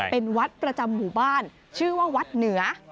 เป็นวัดประจำหมู่บ้านชื่อว่าวัดเหนือ